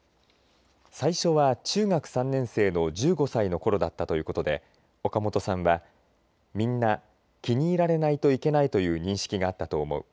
最初は中学３年生の１５歳のころだったということでオカモトさんはみんな気に入られないといけないという認識があったと思う。